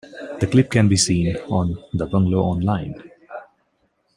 The clip can be seen on "Da Bungalow Online".